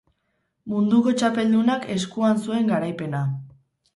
Munduko txapeldunak eskuan zuen garaipena.